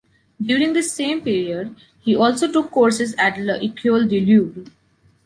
During this same period, he also took courses at l’École du Louvre.